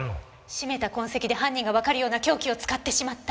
絞めた痕跡で犯人がわかるような凶器を使ってしまった。